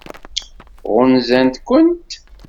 Ɣunzant-kent?